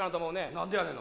何でやねんな？